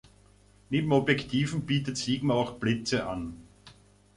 Neben Objektiven bietet Sigma auch Blitze an.